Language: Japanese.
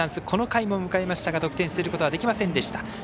この回も迎えましたが得点することができませんでした。